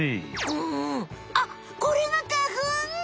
うんうんあっこれが花ふん？